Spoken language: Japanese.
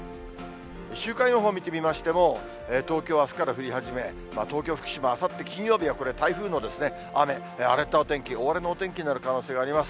週間予報を見てみましても、東京はあすから降り始め、東京、福島、あさって金曜日は台風の雨、荒れたお天気、大荒れのお天気になる可能性あります。